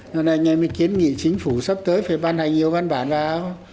nên anh em mới kiến nghị chính phủ sắp tới phải ban hành nhiều văn bản vào